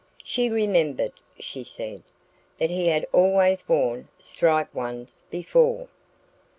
She remembered (she said) that he had always worn striped ones before.